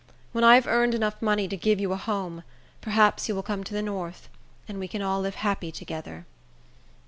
When I have earned money enough to give you a home, perhaps you will come to the north, and we can all live happy together."